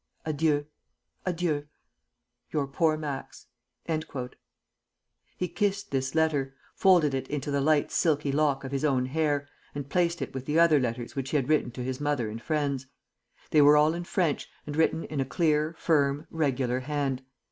Adieu, adieu! YOUR POOR MAX. He kissed this letter, folded into it the light silky lock of his own hair, and placed it with other letters which he had written to his mother and friends. They were all in French, and written in a clear, firm, regular hand.